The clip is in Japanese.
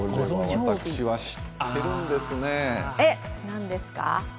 私は知っているんですね。